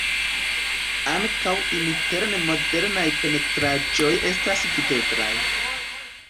Ankaŭ interne modernaj pentraĵoj estas videblaj.